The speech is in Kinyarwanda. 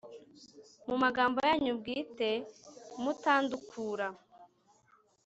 mu magambo yanyu bwite mutandukura